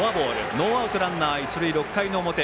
ノーアウトランナー、一塁６回の表。